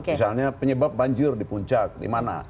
misalnya penyebab banjir di puncak di mana